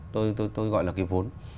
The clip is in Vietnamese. tôi gọi là cái vốn